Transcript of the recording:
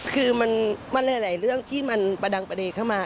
คือมันหลายเรื่องที่มันประดังประเด็นเข้ามา